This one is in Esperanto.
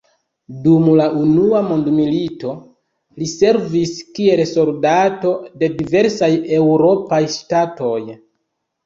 Dum la unua mondmilito li servis kiel soldato de diversaj eŭropaj ŝtatoj.